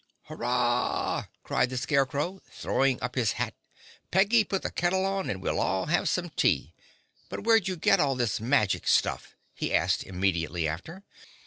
"Hurrah!" cried the Scarecrow, throwing up his hat. "Peggy, put the kettle on and we'll all have some tea! But where'd you get all this magic stuff?" he asked immediately after.